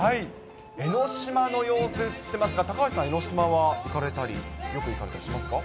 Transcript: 江の島の様子映ってますが、高橋さん、江の島は行かれたり、よく行かれたりしますか？